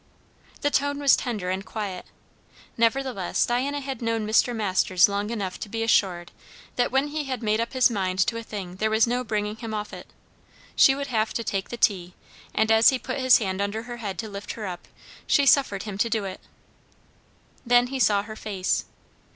The tone was tender and quiet, nevertheless Diana had known Mr. Masters long enough to be assured that when he had made up his mind to a thing, there was no bringing him off it. She would have to take the tea; and as he put his hand under her head to lift her up, she suffered him to do it. Then he saw her face.